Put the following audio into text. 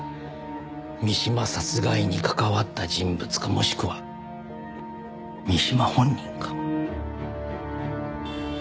三島殺害に関わった人物かもしくは三島本人か。